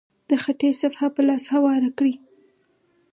د خټې صفحه په لاسو هواره کړئ.